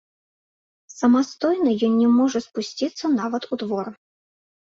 Самастойна ён не можа спусціцца нават у двор.